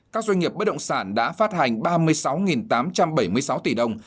các doanh nghiệp bất động sản đã phát hành ba mươi sáu tám trăm bảy mươi sáu tỷ đồng